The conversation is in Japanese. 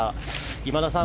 今田さん